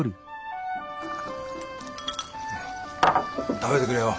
食べてくれよ。